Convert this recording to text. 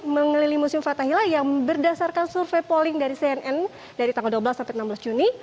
mengelilingi museum fathahila yang berdasarkan survei polling dari cnn dari tanggal dua belas sampai enam belas juni